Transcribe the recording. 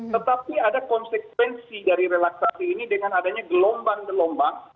tetapi ada konsekuensi dari relaksasi ini dengan adanya gelombang gelombang